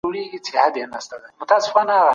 ایا د وچې مېوې استعمال په ژمي کي تودوخه ورکوي؟